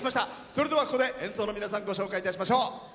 それではここで演奏の皆さんご紹介いたしましょう。